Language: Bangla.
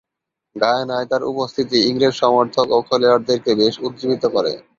গায়ানায় তার উপস্থিতি ইংরেজ সমর্থক ও খেলোয়াড়দেরকে বেশ উজ্জীবিত করে।